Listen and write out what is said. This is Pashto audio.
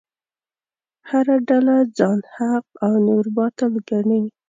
هره ډله ځان حق او نور باطل ګڼي.